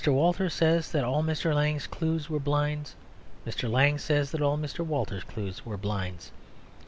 Walters says that all Mr. Lang's clues were blinds; Mr. Lang says that all Mr. Walters's clues were blinds.